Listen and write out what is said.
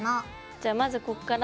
じゃあまずこっから。